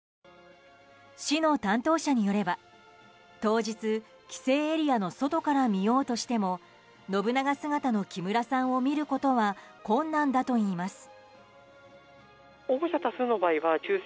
市の担当者によれば当日、規制エリアの外から見ようとしても信長姿の木村さんを見ることは困難だといいます。